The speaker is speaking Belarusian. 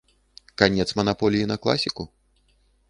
Канец манаполіі на класіку?